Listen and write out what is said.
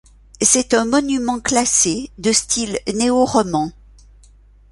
C'est un monument classé de style néo-roman.